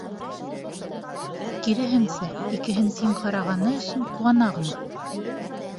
Киреһенсә, икеһен тиң ҡарағаны өсөн ҡыуана ғына.